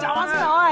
おい。